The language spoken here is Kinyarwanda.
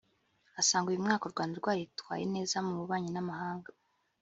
asanga uyu mwaka u Rwanda rwaritwaye neza mu bubanyi n’amahanga